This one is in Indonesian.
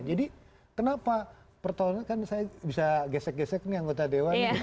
jadi kenapa pertolongan kan saya bisa gesek gesek nih anggota dewan